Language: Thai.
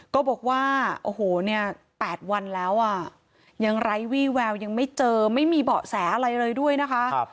ก็บอกว่าโอ้โหเนี่ย๘วันแล้วอ่ะยังไร้วี่แววยังไม่เจอไม่มีเบาะแสอะไรเลยด้วยนะคะ